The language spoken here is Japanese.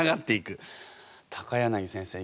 柳先生